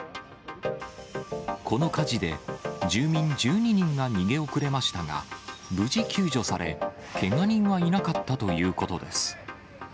この火事で、住民１２人が逃げ遅れましたが、無事救助され、けが人はいなかったということです。